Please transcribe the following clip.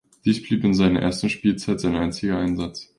Dies blieb in seiner ersten Spielzeit sein einziger Einsatz.